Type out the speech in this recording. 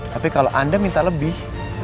tapi kalau anda minta lebih